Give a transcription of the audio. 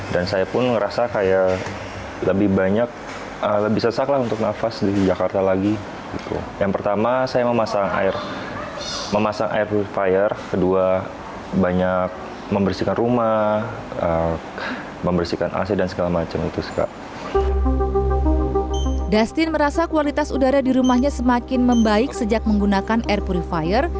dustin merasa kualitas udara di rumahnya semakin membaik sejak menggunakan air purifier